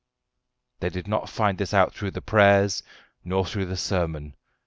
They did not find this out through the prayers, nor through the sermon.